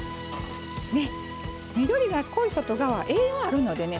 緑が濃い外側栄養あるのでね